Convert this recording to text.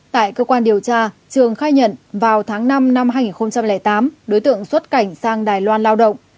tại cơ quan điều tra trường khai nhận vào tháng năm năm hai nghìn tám đối tượng xuất cảnh sang đài loan lao động